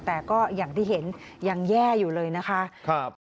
แต่ก็อย่างที่เห็นยังแย่อยู่เลยนะคะ